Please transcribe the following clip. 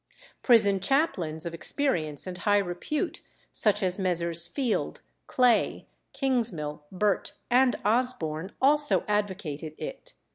Prison chaplains of experience and high repute, such as Messrs. Field, Clay, Kingsmill, Burt, and Osborne, also advocated it.